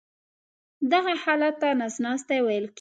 دغه حالت ته نس ناستی ویل کېږي.